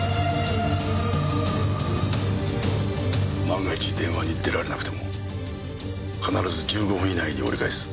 万が一電話に出られなくても必ず１５分以内に折り返す。